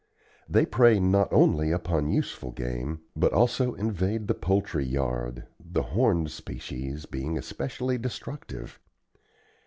They prey not only upon useful game, but also invade the poultry yard, the horned species being especially destructive.